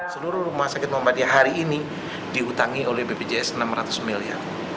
seluruh rumah sakit muhammadiyah hari ini dihutangi oleh bpjs rp enam ratus miliar